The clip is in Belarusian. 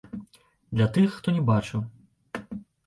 Для тых, хто не бачыў.